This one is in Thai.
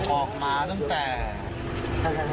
ออกมาตั้งแต่ทุ่มกว่าเข้า